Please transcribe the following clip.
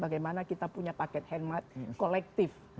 bagaimana kita punya paket handmat kolektif